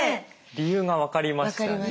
理由が分かりましたね。